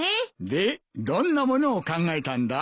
でどんなものを考えたんだ？